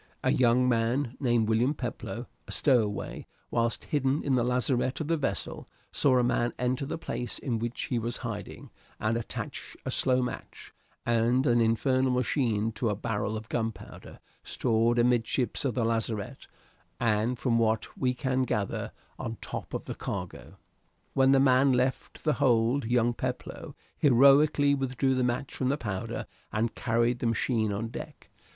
A young man named William Peploe, a stowaway, whilst hidden in the lazarette of the vessel, saw a man enter the place in which he was hiding and attach a slow match and an infernal machine to a barrel of gunpowder stored amidships of the lazarette, and, from what we can gather, on top of the cargo! When the man left the hold young Peploe heroically withdrew the match from the powder and carried the machine on deck.